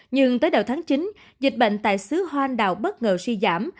nhưng tới đầu tháng chín dịch bệnh tại xứ hoan đạo bất ngờ suy giảm